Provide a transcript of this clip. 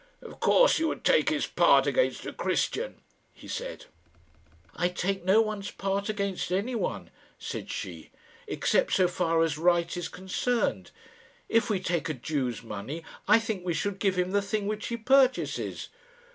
"Of course you would take his part against a Christian," he said. "I take no one's part against anyone," said she, "except so far as right is concerned. If we take a Jew's money, I think we should give him the thing which he purchases."